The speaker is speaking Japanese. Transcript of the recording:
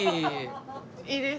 いいですか？